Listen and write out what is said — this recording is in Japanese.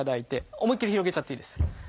思いっきり広げちゃっていいです。